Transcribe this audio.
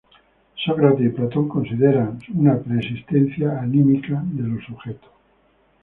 Sócrates y Platón consideran una preexistencia anímica de los sujetos.